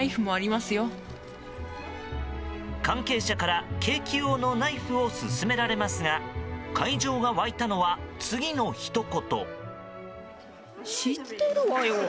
関係者からケーキ用のナイフを勧められますが会場が沸いたのは次のひと言。